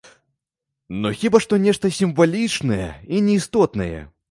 Ну хіба што нешта сімвалічнае і неістотнае.